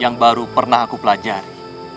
yang baru pernah aku pelajari